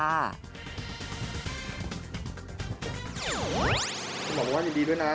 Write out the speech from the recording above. หมอบอกว่ายินดีด้วยนะ